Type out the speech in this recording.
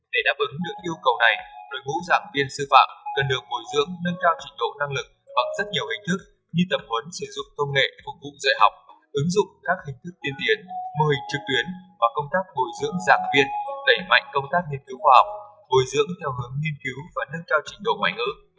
để đáp ứng được yêu cầu này đội ngũ giảng viên sư phạm cần được bồi dưỡng nâng cao trình độ năng lực bằng rất nhiều hình thức như tập huấn sử dụng công nghệ phục vụ dạy học ứng dụng các hình thức tiên tiến mô hình trực tuyến và công tác bồi dưỡng giảng viên đẩy mạnh công tác nghiên cứu khoa học bồi dưỡng theo hướng nghiên cứu và nâng cao trình độ ngoại ngữ